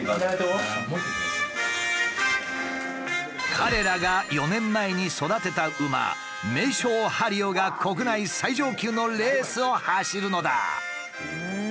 彼らが４年前に育てた馬メイショウハリオが国内最上級のレースを走るのだ。